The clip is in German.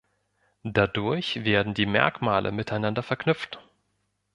Dadurch werden die Merkmale miteinander verknüpft.